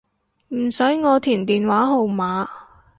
唔使我填電話號碼